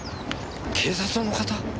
警察の方？